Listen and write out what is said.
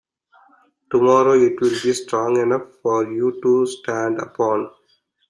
Tomorrow it will be strong enough for you to stand upon.